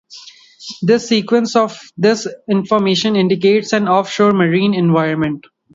This sequence of this formation indicates an off-shore marine environment.